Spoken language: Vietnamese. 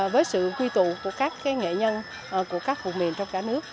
với sự quy tụ của các nghệ nhân của các vùng miền trong cả nước